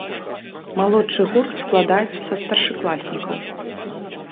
Малодшы гурт складаецца са старшакласнікаў.